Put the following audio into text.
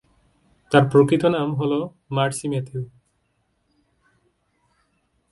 তার প্রকৃত নাম হল মার্সি ম্যাথিউ।